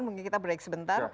mungkin kita break sebentar